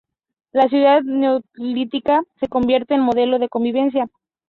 La ciudad neolítica se convierte en modelo de convivencia.